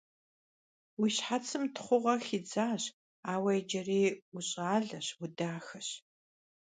Vui şhetsım txhuğe xidzaş, aue yicıri vuş'aleş, vudaxeş.